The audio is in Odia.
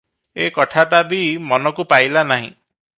ଏ କଥାଟା ବି ମନକୁ ପାଇଲା ନାହିଁ ।